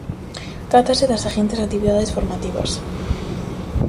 Trátase das seguintes actividades formativas: